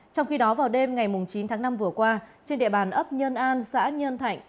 trong khi đó vào đêm ngày chín tháng năm vừa qua trên địa bàn ấp nhân an xã nhân thạnh